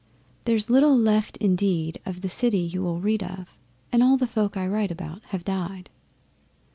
There's little left indeed of the city you will read of, And all the folk I write about have died.